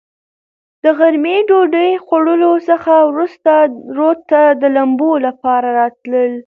د غرمې ډوډوۍ خوړلو څخه ورورسته رود ته د لمبو لپاره راتلل.